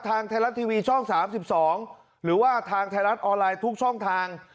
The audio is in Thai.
ทางไทยรัฐทีวีช่อง๓๒หรือว่าทางไทยรัฐออนไลน์ทุกช่องทาง